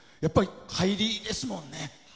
入りですもんね。